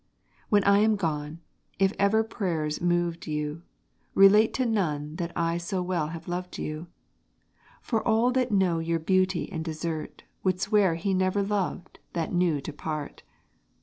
When I am gone, if ever prayers moved you, Relate to none that I so well have loved you: For all that know your beauty and desert, Would swear he never loved that knew to part.